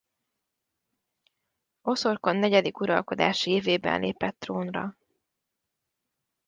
Oszorkon negyedik uralkodási évében lépett trónra.